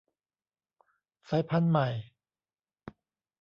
สายพันธุ์ใหม่